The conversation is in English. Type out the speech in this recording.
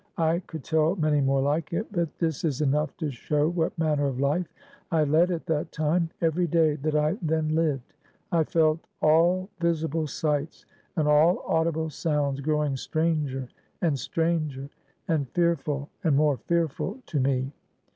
I could tell many more like it, but this is enough to show what manner of life I led at that time. Every day that I then lived, I felt all visible sights and all audible sounds growing stranger and stranger, and fearful and more fearful to me.